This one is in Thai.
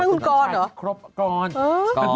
ผู้ชายที่กรอบครบ